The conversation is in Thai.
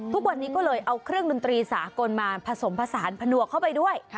ทุกวันนี้ก็เลยเอาเครื่องดนตรีสากลมาผสมผสานผนวกเข้าไปด้วย